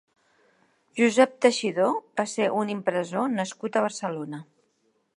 Josep Teixidor va ser un impressor nascut a Barcelona.